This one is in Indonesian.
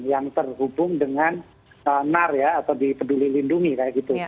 yang terhubung dengan nar ya atau di peduli lindungi kayak gitu